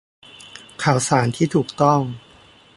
ข่าวสารที่ถูกต้อง